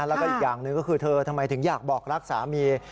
แล้วก็อีกอย่างหนึ่งก็คือเธอทำไมถึงอยากบอกรักสามี